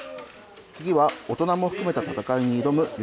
次は大人も含めた戦いに挑む喜